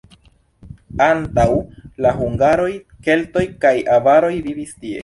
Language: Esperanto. Antaŭ la hungaroj keltoj kaj avaroj vivis tie.